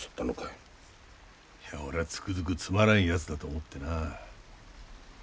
いや俺はつくづくつまらん奴だと思ってな。